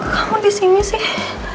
kamu di sini sih